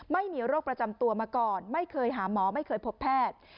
ไม่มีโรคประจำตัวมาก่อนไม่เคยหาหมอไม่เคยพบแพทย์